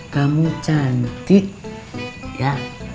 kamu cantik ya